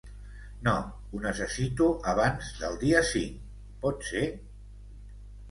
No, ho necessito abans del dia cinc, pot ser?